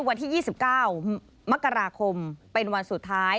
วันที่๒๙มกราคมเป็นวันสุดท้าย